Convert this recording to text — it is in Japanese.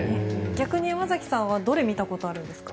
逆に山崎さんはどれを見たことあるんですか？